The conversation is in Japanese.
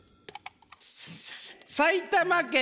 埼玉県